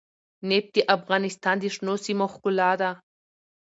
نفت د افغانستان د شنو سیمو ښکلا ده.